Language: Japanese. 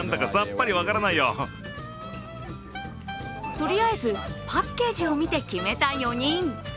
とりあえず、パッケージを見て決めた４人。